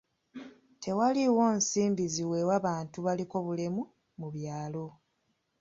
Tewaliiwo nsimbi ziweebwa bantu baliko obulemu mu byalo.